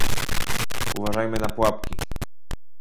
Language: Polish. Uważajmy na pułapki